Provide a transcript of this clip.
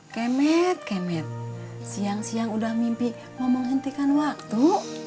kemet kemet siang siang sudah mimpi mau menghentikan waktu